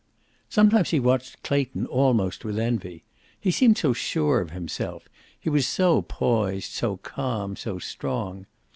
Some times he watched Clayton almost with envy. He seemed so sure of himself; he was so poised, so calm, so strong.